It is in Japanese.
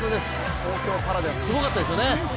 東京パラではすごかったですよね。